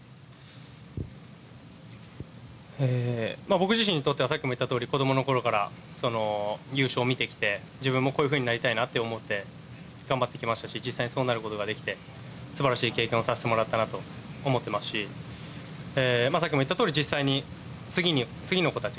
僕自身にとってはさっきも言ったとおり子どもの頃から優勝を見てきて自分もこういうふうになりたいなと思って頑張ってきましたし実際にそうなることができて素晴らしい経験をさせてもらったなと思っていますしさっきも言ったとおり実際に次の子たち